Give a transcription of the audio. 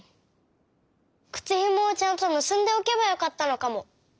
くつひもをちゃんとむすんでおけばよかったのかも。